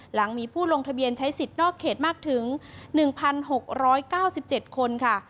หลังมีผู้ลงทะเบียนใช้สิทธิ์นอกเขตมากถึง๑๖๙๗คนค่ะ